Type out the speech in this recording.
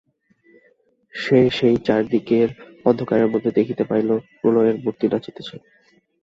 সে সেই চারিদিকের অন্ধকারের মধ্যে দেখিতে পাইল, প্রলয়ের মুর্তি নাচিতেছে!